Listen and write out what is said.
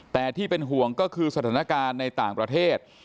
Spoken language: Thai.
แต่ที่เป็นห่วงก็คือสถานการณ์ในต่างประเทศ